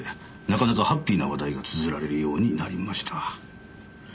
なかなかハッピーな話題がつづられるようになりました。